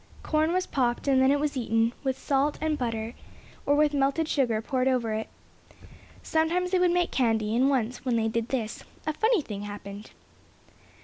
Corn was popped, and then it was eaten, with salt and butter on, or with melted sugar poured over it. Sometimes they would make candy, and once, when they did this, a funny thing happened.